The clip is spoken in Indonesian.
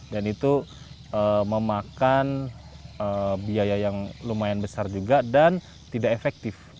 dan itu memakan biaya yang lumayan besar juga dan tidak efektif